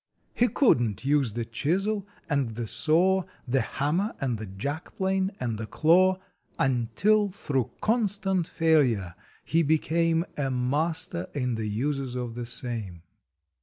He couldn t use the chisel and the saw, The hammer and the jackplane and the claw, Until through constant failure he became A Master in the uses of the same.